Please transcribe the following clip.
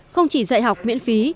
không chỉ dạy học miễn phí